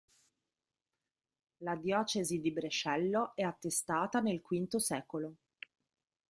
La diocesi di Brescello è attestata nel V secolo.